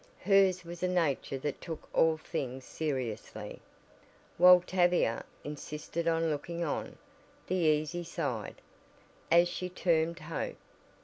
Hers was a nature that took all things seriously, while Tavia insisted on looking on "the easy side" as she termed Hope.